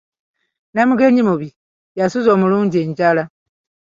Namugenyi mubi, yasuza omulungi enjala.